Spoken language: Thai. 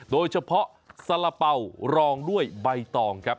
โดยเฉพาะสละเป๋ารองด้วยใบตองครับ